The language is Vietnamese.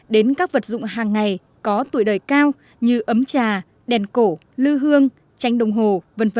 đến các vật dụng hàng ngày có tuổi đời cao như ấm trà đèn cổ lư hương tranh đồng hồ v v